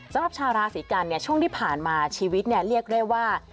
สำหรับชาวราศีกันเนี่ยช่วงที่ผ่านมาชีวิตเรียกได้ว่า